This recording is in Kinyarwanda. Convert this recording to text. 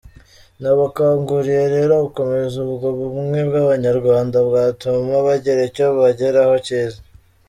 Nabakanguriye rero gukomeza ubwo bumwe bw’Abanyarwanda bwatuma bagira icyo bageraho cyiza.